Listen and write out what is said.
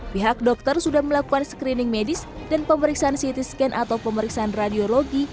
pihak dokter sudah melakukan screening medis dan pemeriksaan ct scan atau pemeriksaan radiologi